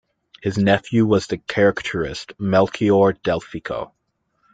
His nephew was the caricaturist Melchiorre Delfico.